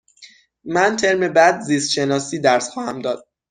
من ترم بعد زیست شناسی درس خواهم داد.